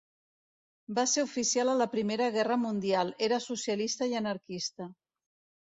Va ser oficial a la Primera Guerra Mundial, era socialista i anarquista.